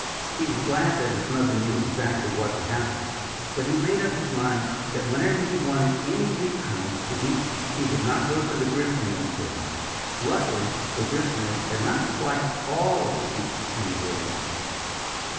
He was glad that his mother knew exactly what had happened. But he made up his mind that whenever he wanted any wheat kernels to eat he would not go to the gristmill for them. Luckily the gristmill had not quite all the wheat in the world.